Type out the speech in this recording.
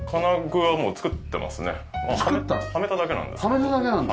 はめただけなんだ。